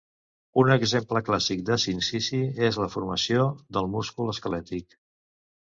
Un exemple clàssic de sincici és la formació del múscul esquelètic.